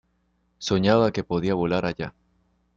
Soñaba que podía volar allá.